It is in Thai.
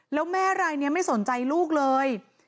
แล้วแม่รายนี้ไม่สนใจลูกเลย